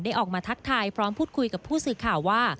ออกมาทักทายพร้อมพูดคุยกับผู้สื่อข่าวว่า